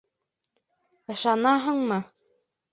Ышанаһыңмы?